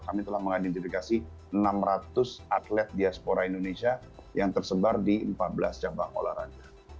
kami telah mengidentifikasi enam ratus atlet diaspora indonesia yang tersebar di empat belas cabang olahraga